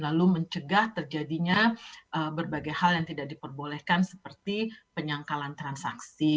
lalu mencegah terjadinya berbagai hal yang tidak diperbolehkan seperti penyangkalan transaksi